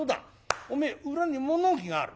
おめえ裏に物置がある。